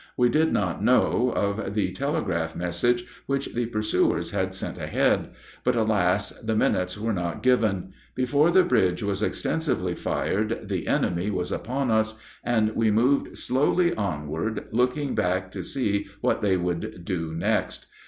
We did not know of the telegraph message which the pursuers had sent ahead. But, alas! the minutes were not given. Before the bridge was extensively fired the enemy was upon us, and we moved slowly onward, looking back to see what they would do next.